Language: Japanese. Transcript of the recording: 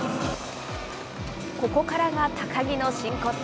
ここからが高木の真骨頂。